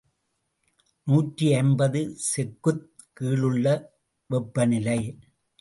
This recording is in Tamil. நூற்றி ஐம்பது செக்குக் கீழுள்ள வெப்பநிலை.